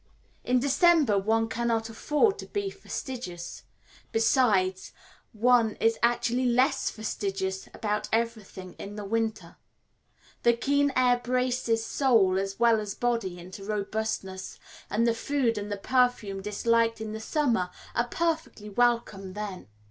In December one cannot afford to be fastidious; besides, one is actually less fastidious about everything in the winter. The keen air braces soul as well as body into robustness, and the food and the perfume disliked in the summer are perfectly welcome then.